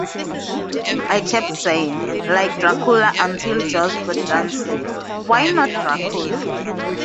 "I kept saying, 'Like Dracula - until Joss Whedon said, "Why not Dracula?